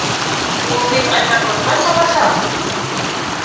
Ул бит аэропортҡа сабасаҡ!